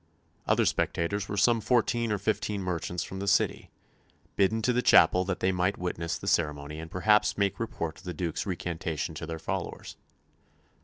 Other spectators were some fourteen or fifteen merchants from the City, bidden to the chapel that they might witness the ceremony and perhaps make report of the Duke's recantation to their fellows.